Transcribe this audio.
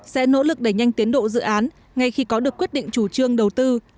sẽ nỗ lực đẩy nhanh tiến độ dự án ngay khi có được quyết định chủ trương đầu tư